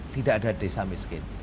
tidak ada desa miskin